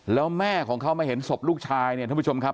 แล้วแม่ของเขามาเห็นศพลูกชายเนี่ยท่านผู้ชมครับ